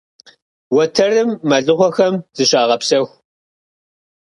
Уэтэрым мэлыхъуэхэм зыщагъэпсэху.